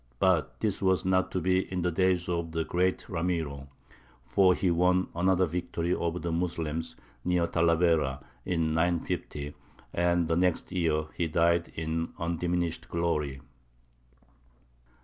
But this was not to be in the days of the great Ramiro; for he won another victory over the Moslems, near Talavera, in 950, and the next year he died in undiminished glory.